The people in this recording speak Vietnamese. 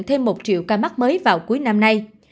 thêm một triệu ca mắc mới vào cuối năm nay